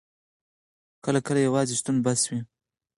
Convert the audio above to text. کله کله یوازې شتون بس وي.